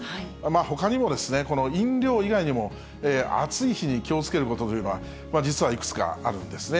ほかにも、飲料以外にも、暑い日に気をつけることというのは、実はいくつかあるんですね。